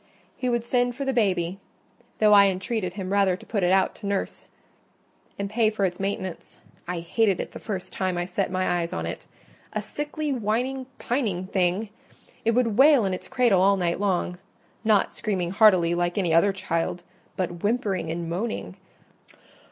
He would send for the baby; though I entreated him rather to put it out to nurse and pay for its maintenance. I hated it the first time I set my eyes on it—a sickly, whining, pining thing! It would wail in its cradle all night long—not screaming heartily like any other child, but whimpering and moaning.